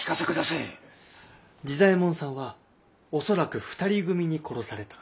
治左衛門さんは恐らく２人組に殺された。